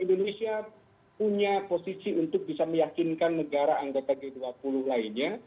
indonesia punya posisi untuk bisa meyakinkan negara anggota g dua puluh lainnya